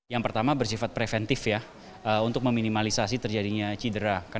yang pertama bersifat preventif ya untuk meminimalisasi terjadinya cedera